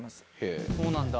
「あっそうなんだ」